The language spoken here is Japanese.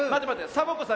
サボ子さん